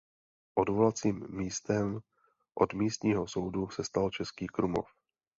Odvolacím místem od místního soudu se stal Český Krumlov.